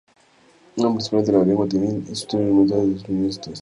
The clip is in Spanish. Hablan principalmente la lengua tamil, y su historia se remonta a dos milenios atrás.